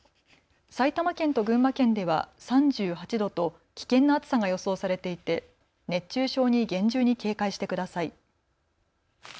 埼玉県と群馬県では３８度と危険な暑さが予想されていて熱中症に厳重に警戒してください。